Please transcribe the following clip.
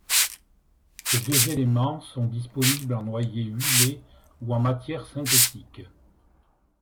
Ces deux éléments sont disponibles en noyer huilé ou en matière synthétique.